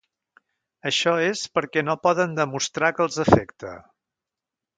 Això és perquè no poden demostrar que els afecte.